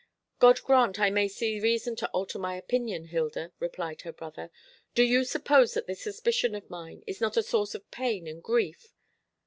"God grant I may see reason to alter my opinion, Hilda," replied her brother. "Do you suppose that this suspicion of mine is not a source of pain and grief?